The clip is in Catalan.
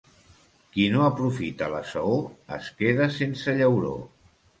Qui no aprofita la saó es queda sense llauró.